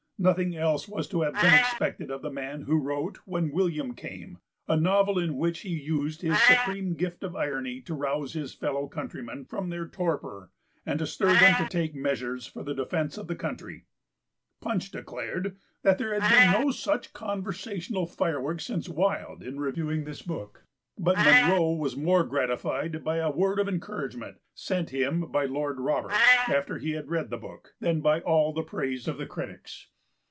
p. xviiNothing else was to have been expected of the man who wrote When William Came, a novel in which he used his supreme gift of irony to rouse his fellow countrymen from their torpor and to stir them to take measures for the defence of the country. Punch declared that there had been no such conversational fireworks since Wilde, in reviewing this book, but Munro was more gratified by a word of encouragement sent him by Lord Roberts, after he had read the book, than by all the praise of the critics.